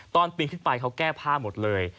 ตอนปีนขึ้นไปเขาแก้ผ้าหมดเลย